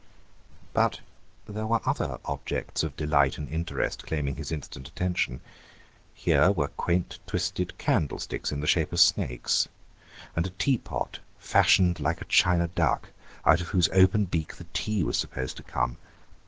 But there were other objects of delight and interest claiming his instant attention: there were quaint twisted candlesticks in the shape of snakes, and a teapot fashioned like a china duck, out of whose open beak the tea was supposed to come.